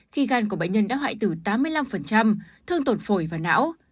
khi gan của bệnh nhân đã hoại tử tám mươi năm thương tổn phổi và não